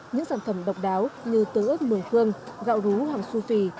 những sản phẩm độc đáo như tứ ức mường khương gạo rú hoàng su phì